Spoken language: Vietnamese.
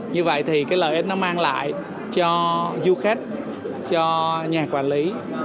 như vậy thì cái lợi ích nó mang lại cho du khách cho nhà quản lý